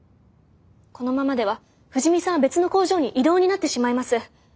このままでは藤見さんは別の工場に異動になってしまいます。